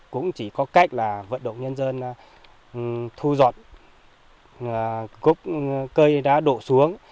cũng chỉ có cách là vận động nhân dân thu dọn khúc cây đã đổ xuống